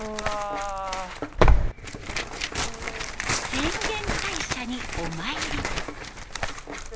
浅間大社にお参り。